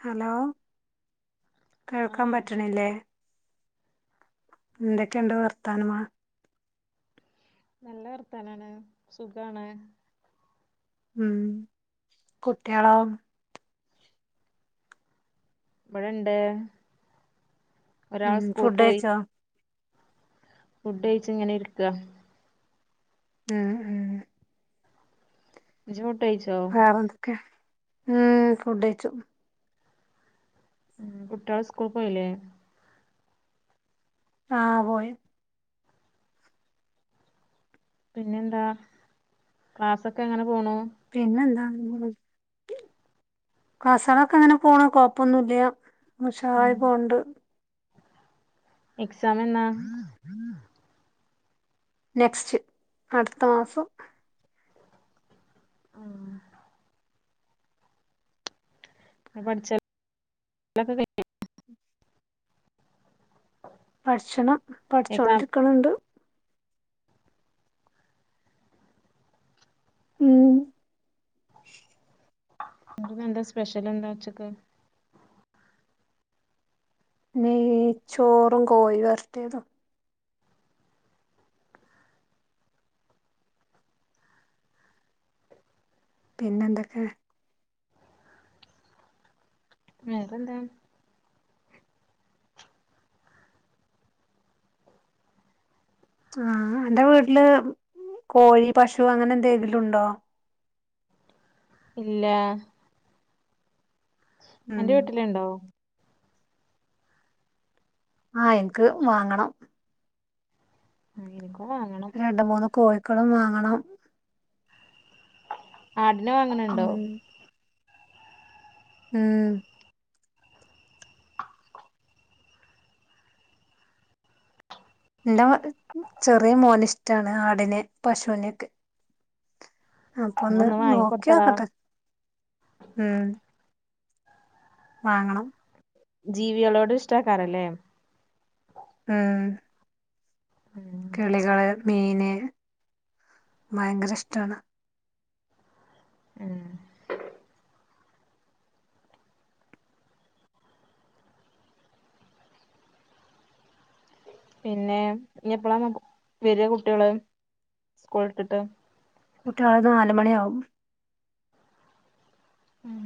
Hello കേൾക്കാൻ ആഹ് പറ്റ്ണില്ലേ? എന്തൊക്കെണ്ട് വർത്താനമാ? നല്ല വർത്താനാണ് സുഖാണ്. മ് കുട്ട്യാളോ? ഇവിടെണ്ട് ഒരാൾ ഉം സ്കൂൾ ഫുഡ് പോയി. കഴിച്ചോ ഫുഡ് കഴിച്ചങ്ങനെ ഇരിക്ക. ആ ആ ഇജ് കഴിച്ചോ വേറെന്തൊക്കെ മ് ഫുഡയ്ച്ചു. കുട്ടികള്സ്കൂൾക്കൊയില്ലേ? ആ പോയി. പിന്നെന്താ ക്ലാസൊക്കെങ്ങനെ പോണു? പിന്നെന്താ? ക്‌ളാസാളോക്കെങ്ങനെ പോണു കൊയ്പ്പൊന്നുല്ല. മ് ഉഷാറായിപോണ്ട്. എക്സാമെന്ന? നെക്സ്റ്റ് അടുത്ത മാസം. ഉം പഠിച്ചലൊക്കെ കയ്ഞ്ഞോ പഠിച്ചണം പഠിച്ചോരിക്കണണ്ട്. ഉം അന്ക്ക്‌ ന്താ സ്പെഷ്യൽ ന്താ ഉച്ചക്ക്? നെയ് ചോറും കോഴി വരട്ട്യേതും. പിന്നെന്തൊക്കെ? വേറെന്ത ആ അന്റെ വീട്ടില് കോഴി, പശു അങ്ങനെന്തെങ്കിലും ണ്ടോ ഇല്ല. ഉം അന്റെ വീട്ട്ല്ണ്ടോ? ആഹ് ഇൻക്ക് വാങ്ങണം. ആഹ് എനി രണ്ട് മൂന്ന് കോഴിക്കളും വാങ്ങണം. ആടിനെ വാങ്ങുന്നുണ്ടോ ഉം ഉം എന്റെ ചെറിയ മോനിഷ്ടാണ് ആടിനെ പശുവിനൊക്കെ. എന്നാ അപ്പൊന്ന് ഒന്ന് വാങ്ങി കൊടുത്തടാ നോക്കിയായൊക്കെ തരും വാങ്ങണം ജീവികളോടും ഇഷ്ടക്കാരല്ലേ ആഹ് ഉം കിളികള് മീന് ഭയങ്കര ഇഷ്ടാണ് മ് പിന്നെ ഇനി എപ്പളാ വരിക കുട്ടികള് സ്കൂളു വിട്ടിട്ട് കുട്ടികള് നാലുമണിയാവും. ഉം.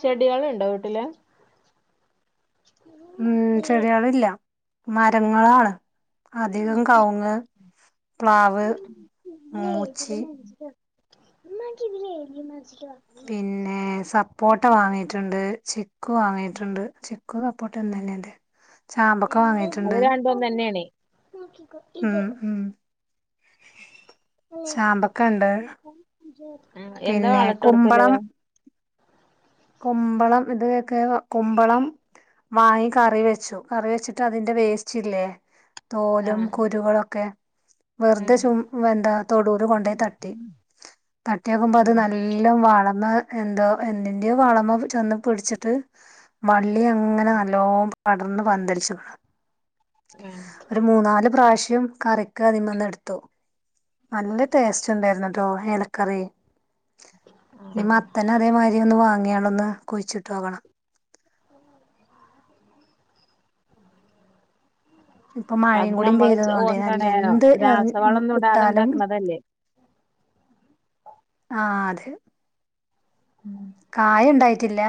ചെടികളണ്ടോ വീട്ടില് മ് ചെടികളില്ല മരങ്ങളാണ്. അധികം കവുങ്ങ് പ്ലാവ്. മൂച്ചി [unintelligible] [unintelligible] പിന്നെ സപ്പോട്ട വാങ്ങീട്ടുണ്ട് ചിക്കു വാങ്ങീ ട്ടുണ്ട് ചിക്കു സപ്പോട്ടെ ഒന്നേന്നെല്ലേ ചാമ്പ അത് രണ്ടും ഒന്ന് തന്നെയാണേ ഉം [unintelligible] ചാമ്പക്ക ഉണ്ട് എന്താ പിന്നെ വളട്ട് കൊടുക്കല് കുമ്പളം കുമ്പളം ഇത് ഒക്കെ കുമ്പളം വാങ്ങി കറി വെച്ചു കറി വെച്ചിട്ട് അതിന്റെ വേസ്റ്റ് ഇല്ലേ? തോലും ആഹ് കുരുകളൊക്കെ വെർതെ ഉം ചും വെന്താ തൊടൂല് കൊണ്ടോയ് തട്ടി. തട്ടിയാക്കുമ്പോ അത് നല്ലം വളന്ന് എന്തോ എന്തിന്റെയൊ വളമ ചെന്ന് പിട്ച്ചിട്ട് വള്ളി അങ്ങനെ നല്ലോ പടർന്ന് പന്തലിച്ചു. ഒരു മൂന്നാല് പ്രാവശ്യം കറിക്ക് അതിമ്മേന്ന് എടുത്തു. നല്ല ടേസ്റ്റ് ഉണ്ടായ്രുന്നുട്ടോ എലക്കറി. ഇനി മത്തന് അതേമായ്രി ഒന്ന് വാങ്ങിയാളൊന്ന് കുഴിച്ചിട്ടോക്കണം. ഇപ്പൊ അത് മഴയും കൂടി ഞമ്മള് പെയ്തതോണ്ടേ നല്ല എന്താണ് എന്ത് എർ മ് രാസവളൊന്നും ഇടാതെ ഇട്ടാലും ഉണ്ടാക്കണതല്ലേ ആഹ് അതെ. കായ ഇണ്ടായിട്ടില്ല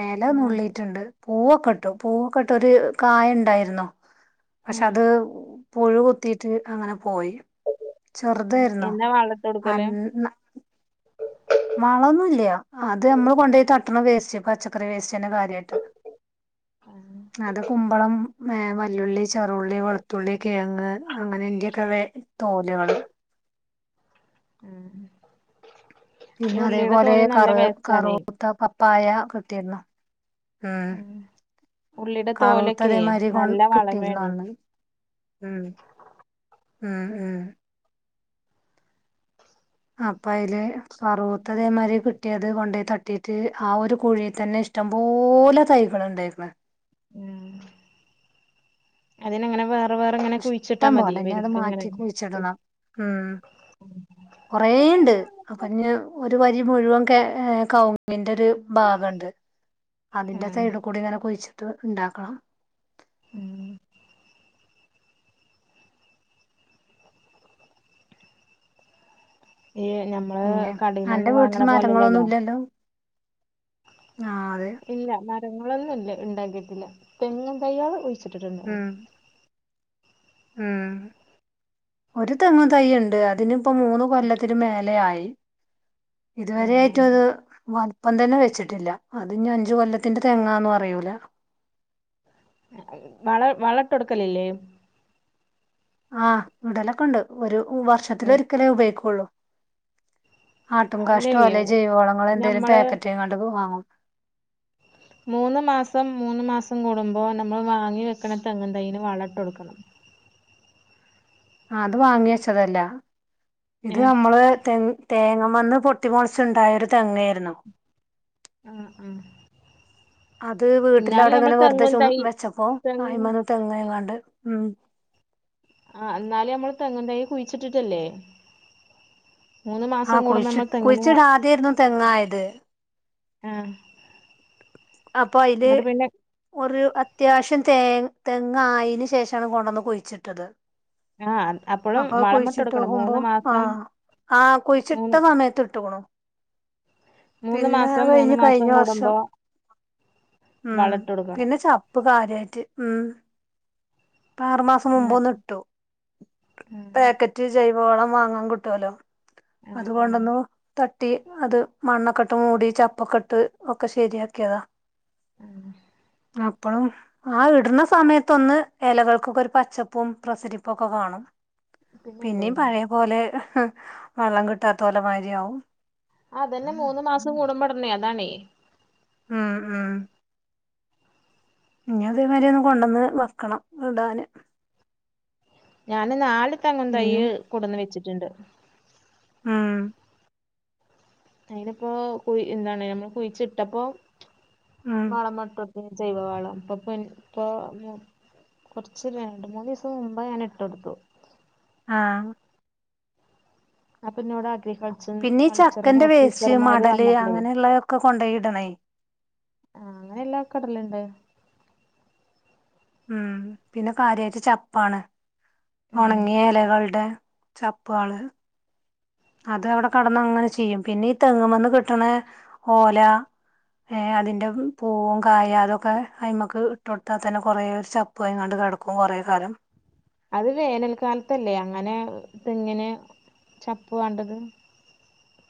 ഏല ഉം നുള്ളീട്ടിണ്ട്. പൂവൊക്കട്ടു പൂവൊക്കെട്ട് ഒരു കായ് ഇണ്ടായിര്ന്നു പക്ഷെ അത് പുഴു കുത്തിയിട്ട് അങ്ങന പോയി ചെറുതായിര്ന്നു എന്നാ വളട്ട് കൊടുക്കല് അന്ന വളൊന്നുല്ല്യ. അത് നമ്മള് കൊണ്ടോയ് തട്ടണ വേസ്റ്റ് പച്ചക്കറി വേസ്റ്റ് തന്നെ കാര്യാട്ട് അത് കുമ്പളം, ഏഹ് വല്ലുള്ളി, ചെറുള്ളി, വെളുത്തുള്ളി, കെയ്ങ്ങ് അങ്ങനെ ഇയ്ന്റെക്ക വേ തോല്കള് ഉം പിന്ന അതേപോലെ കറ് കറൂത്ത പപ്പായ കിട്ടിര്ന്നു. ഉം ഉള്ളിയുടെ കറൂത്ത തോലൊക്കെ അതേമാരി കൊൺ നല്ല കിട്ടിയിരുന്നു വളമേണ് അന്ന്. ഉം ഉം ഉം. അപ്പൊ അയ്ല് കറൂത്തതേമാരി കിട്ടിയത് കൊണ്ടോയ് തട്ട് ത്തീട്ട് ആ ഒരു കുഴി തന്നെ ഇഷ്ടംപലെ തൈകള് ണ്ടായിര്ന്ന് ഉം അതിനങ്ങനെ വെ ഇഷ്ടം പോലെ ഞ്ഞ് അത് മാറ്റി കുഴ്ച്ചിടണം ഉം കൊറേണ്ട് അപ്പൊ ഞ്ഞ് ഒരു വരി മുഴുവൻ കെ കവ്ങ്ങിൻ ന്റെ രു ഭാഗ ണ്ട് ഉം അതിന്റെ സൈഡ് കൂടി ങ്ങനെ കുഴ്ച്ചിട്ട് ണ്ടാക്കണം ഉം ഈ ഞമ്മള് പിന്നെ അന്റെ കടയിൽന്നൊന്നും വീട്ട് വാങ്ങണ ല് മരങ്ങളൊന്നു പോലെല്ലല്ലോ ല്ലല്ലോ ഇല്ല മരങ്ങളൊന്നു ല്ല ഇണ്ടാക്കിട്ടില്ല തെങ്ങും തയ്യള് കു ച്ച്ട്ട്ട്ട്ണ്ട് ഉം ഉം ഒരു തെങ്ങ് തൈ ണ്ട് അതിന് പ്പോ മൂന്ന് കൊല്ലത്തിന് മേലെ ആയി ഇതുവരെ ആയിറ്റു ആഹ് അത് വ പ്പം തന്നെ വെച്ചിട്ടില്ല അതിന് അഞ്ചു കൊല്ലത്തിന്റെ തെങ്ങാന്നു അറിയൂല വള വളട്ടൊട്ക്കല്‌ല്ലേ ആഹ് ഇടലൊക്ക ഉണ്ട് ഒരു വർഷത്തിലൊരിക്കലേ ഉപയോയ്ക്കുള്ളൂ ആട്ടും അല്ലേ കാഷ്ടോ അല്ലെ ജൈവളങ്ങളോ എന്തെലും ഞമ്മള് പാക്കറ്റ് ആയ്ങ്ങാണ്ട് വാങ്ങും മൂന്ന് മാസം മൂന്ന് മാസം കൂടുമ്പോ നമ്മൾ വാങ്ങി വെക്ക്‌ണ തെങ്ങും തൈന് വളട്ടൊട്ക്കണം ആ അത് വാങ്ങി വെച്ചതല്ല ഇത് ഏഹ് നമ്മള് തെങ്ങ് തേങ്ങ മന്ന് പൊട്ടിമളച്ചുണ്ടായൊരു തെങ്ങായിരുന്നു ഉം ഉം അത് വീട്ടില അവിടെ ങ്ങനെ വെറുതെ ചും തൈ വെച്ചപ്പോ തെങ്ങ് അയ്മന്ന് തെങ്ങ യ് കാണ്ട് ഉം ആ ന്നാല്നമ്മൾ തെങ്ങ് തൈ കുഴിച്ചിട്ടിട്ടല്ലേ മൂന്ന് ആ മാസം കൂടുമ്പോ കുഴിച്ചി നമ്മൾ തെങ്ങിന് വ കുഴിച്ചിടാദ്യായിരുന്നു തെങ്ങായത് ആ അപ്പൊ അയ്ല് ഒര് അത്യാവശ്യം തെ തെങ്ങ ആയീന് ശേഷാണ് കൊണ്ടന്ന് കുഴിച്ചിട്ടത് ആഹ് അപ്പളും അപ്പൊ വളമിട്ട് കുഴിച്ചിട്ട് കൊടുക്കണം ഓക്കുമ്പോ മൂന്ന് മാസം ആഹ് ആഹ് കുഴിച്ചിട്ട മൂന്ന് സമയത്ത് ഇട്ട്ക്കുണു മൂന്ന് പിന്നെ മാസം മൂന്ന് കഴിഞ്ഞ് മാസം കഴിഞ്ഞ വർഷം കൂടുമ്പോ ഉം വളട്ട് കൊടുക്കണം പിന്നെ ച ഇപ്പൊ കാര്യയിട്ട് ഉം ആറുമാസം ഉം മുമ്പ്ന്ന് ഇട്ടു പാക്കറ്റ് ജയ് വളം വാങ്ങാൻ കിട്ടുവലോ ആഹ് അതു ആഹ് കൊണ്ടൊന്നു ത ട്ടി അത് മണ്ണൊക്കെട്ട് മൂടി ചപ്പക്കെ ഇട്ട് ഒക്കെ ശെരിയാക്യതാ ഉം അപ്പഴും ആ ഇടുന്ന സമയത്തൊന്ന് ഇലകൾക്കൊക്കെ ഒരു പച്ചപ്പും പ്രസരിപ്പും ഒക്കെ കാണും പിന്നല്ലേ പിന്നിം പയെ പോലെ വള്ളം കിട്ടാതോലെ മാരിയാവും ആ അതന്നെ മൂന്ന് മാസം കൂടു മ്പോടണെ അതാണേ മ് മ് ഇനി അതെമാരി ഒന്ന് കൊണ്ടന്ന് വെക്കണം ഇടാന് ഞാന് നാല് തെങ്ങും പിന്നെ തയ്യ് കൊടന്ന് വെച്ചിട്ട്ണ്ട് മ് അയിനിപ്പോ കു എന്താണ് നമ്മൾ കുഴിച്ചിട്ടപ്പോ ഉം വളമട്ടോ ജൈവ വളം [unintelligible] കൊറച്ച് രണ്ട് മൂന്ന് ദീസം മുമ്പ് ഞാൻ ഇട്ടെടുത്തു ആ അപ്പൊന്നോടാ പിന്നെ ഈ ചക്കന്റെ വേസ്റ്റ് മടല് വന്നപ്പളേ അങ്ങനെയള്ളൊക്കെ കൊണ്ടോയി ഇടണേ ആ അങ്ങനെ ള്ളക്കെ ഇടല്ണ്ട് ഉം പിന്നെ കാര്യമായിട്ട് ചപ്പാണ് ഉം ഉണങ്ങിയ ഇലകളുടെ ചപ്പാള് അത് അവിടെ കടന്ന് അങ്ങനെ ചീയും പിന്നെ ഈ തെങ്ങുമന്ന് കിട്ടണ ഓല ഏ അതിന്റെ പൂവും കായ അതൊക്കെ അയമ്മക്ക് ഇട്ട് കൊടുത്താ തന്നെ കൊറെ ചപ്പ് അയ്ക്കാണ്ട് എടുക്കും കൊറേ കാലം അത് വേനൽക്കാലത്തല്ലേ അങ്ങനെ തെങ്ങിന് ചപ്പ് വേണ്ടത്?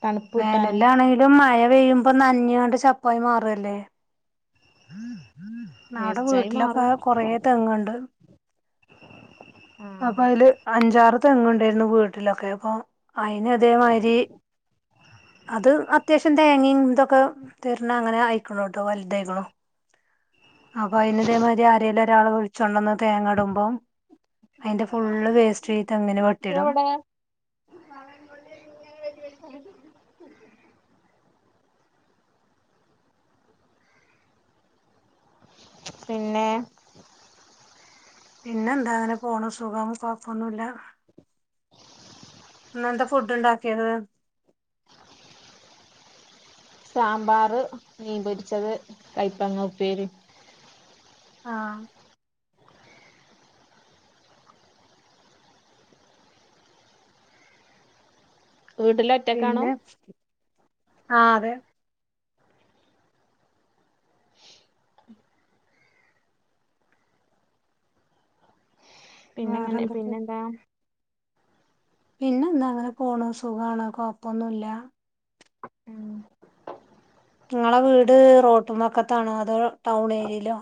തണുപ്പ് കിട്ടാന് വേനലാണെങ്കിലും മഴ പെയ്യുമ്പോ നന ഞ്ഞണ്ട് ചപ്പായി മാറല്ലെ ഹം നടെ വീട്ടിലൊക്കെ കൊറെ തെങ്ങുണ്ട് ആഹ് അപ്പയ്‌ല് അഞ്ചാറ് തെങ്ങണ്ടായിരുന്നു വീട്ടിലൊക്കെ അപ്പൊ അയിന് അതേ മാരി അത് അത്യാവശ്യം തേങ്ങയും ഇതൊക്കെ തര്ണ അങ്ങനെ അയിക്കണ് ട്ടോ വലുതായിക്കുണു അപ്പൊ അയിന് ഇതേമാതിരി ആരേലും ഒരാള് വിഴിച്ചോണ്ടന്ന് തേങ്ങടുമ്പം അതിന്റെ ഫുള് വേസ്റ്റ് ഈ തെങ്ങിന് വെട്ടിടും എവിടെ പിന്നെ പിന്നെ എന്താ അങ്ങനെ പോണു സുഖം കൊയപ്പൊന്നുല്ല ഇന്ന് എന്താ ഫുഡ് ഇണ്ടാകിയത് സാമ്പാർ മീൻ പൊരിച്ചത് കയ്പങ്ങങ് ഉപ്പേരി അഹ് വീട്ടില് ഒറ്റക്കാണോ അഹ് അതെ പിന്നെങ്ങനെ വേറെന്തൊക്കെ പിന്നെ എന്താ പിന്നെ എന്താ അങ്ങനെ പോണു സുഗാണ് കൊപ്പൊന്നുല്ല ഉം ഞങ്ങളെ വീട് റോട്ടുമ്മക്കത്താണോ അതോ ടൗൺ ഏരിയയിലോ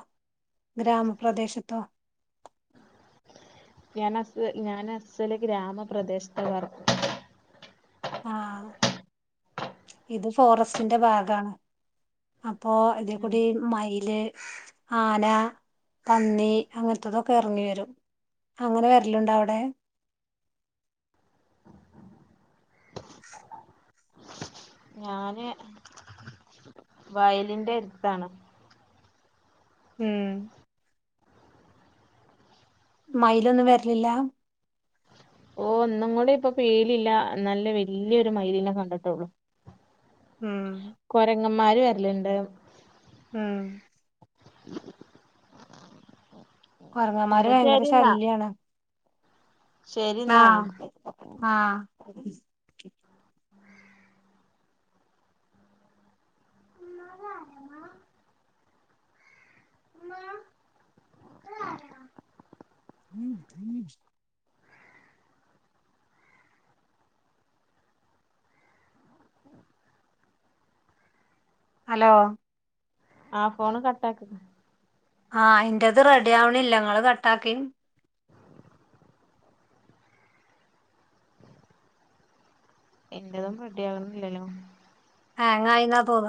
ഗ്രാമപ്രദേശത്തോ ഞാൻ അസ്സ ഞാൻ അസ്സൽ ഗ്രാമപ്രദേശത്തുകർ അഹ് ഇത് ഫോറസ്റ്റിന്റെ ഭാഗാണ് ഇപ്പോ ഇതേ ഉം കൂടി മൈ ൽ ആന പന്നി അങ്ങതൊക്കെ ഇറങ്ങി വരും അങ്ങനെ വരലുണ്ടോ അവിടെ ഞാൻ വയലിന്റെ അടുത്താണ് ഉം മൈലൊന്നും വരലില്ല ഓ ഒന്നും കൂടി ഇപ്പൊ പേലില്ല നല്ല വല്യൊരു മൈലീനെ കണ്ടിട്ടുള്ളു ഹ്മ്മ് ങ്ങമാരും വരലുണ്ട് ഉം കുറങ്ങന്മാര് എന്നാ ഭയങ്കര ശരിന്നാ ശല്യണ് ശരിന്നാ അഹ് അഹ് ഹലോ ആ ഫോണ് കട്ടാക്ക് അഹ് എന്റെത് റെഡി ആവണില്ല നിങ്ങള് കട്ടാക് എന്റെതും റെഡി ആകുണില്ലല്ലോ ഹാങ്ങായിന തോന്നുന്നേ